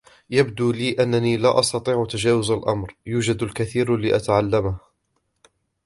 يبدو لي أنني لا أستطيع تجاوز الأمر، يوجد الكثير لأتعلمه.